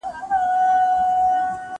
زه به ستا تر څنګ ولاړ یم.